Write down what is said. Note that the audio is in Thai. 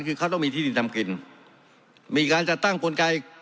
คือเขาต้องมีที่ดินทำกินมีการจัดตั้งกลไก